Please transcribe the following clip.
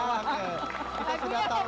lagu lagunya romantis banget ya